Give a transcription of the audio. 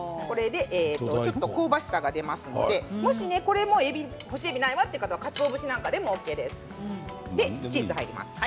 香ばしさが出ますのでもし、これも干しえびがないわという方はかつお節なんかでも大丈夫です。